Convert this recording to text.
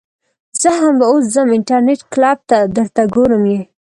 زه همدا اوس ځم انترنيټ کلپ ته درته ګورم يې .